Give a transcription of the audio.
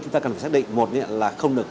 chúng ta cần phải xác định một là không được